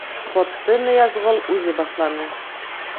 Сходты Ныязғол үҙе башланы.